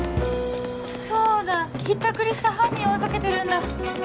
そうだひったくりした犯人を追い掛けてるんだ